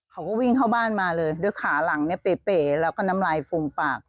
เขาก็วิ่งเข้าบ้านมาเลยด้วยขาหลังเนี่ยเป๋แล้วก็น้ำลายฟูมปาก